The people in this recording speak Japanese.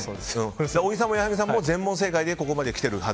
小木さんも矢作さんも全問正解でここまで来ています。